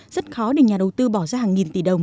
rất khó để nhà đầu tư bỏ ra hàng nghìn tỷ đồng